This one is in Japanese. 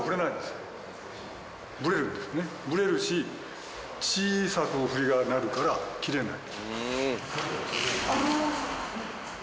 ぶれるし小さく振りがなるから切れない。